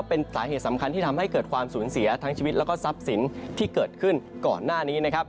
เป็นสาเหตุสำคัญที่ทำให้เกิดความสูญเสียทั้งชีวิตแล้วก็ทรัพย์สินที่เกิดขึ้นก่อนหน้านี้นะครับ